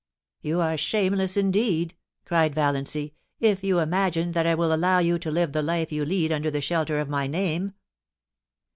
* You are shameless indeed,' cried Valiancy, * if you imagine that I will allow you to live the life you lead under the shelter of my name